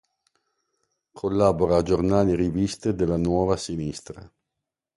Collabora a giornali e riviste della Nuova Sinistra.